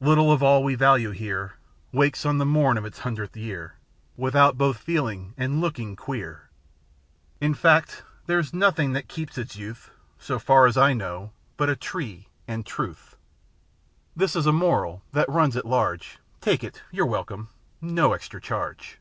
Little of all we value here Wakes on the morn of its hundredth year Without both feeling and looking queer. In fact, there's nothing that keeps its youth. So far as I know but a tree and truth. (That is a moral that runs at large; Take it â ^you're welcome. â ^No extra charge.)